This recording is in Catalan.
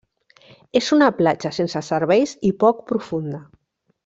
És una platja sense serveis i poc profunda.